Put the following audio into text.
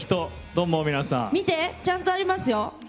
見て！ちゃんとありますよ。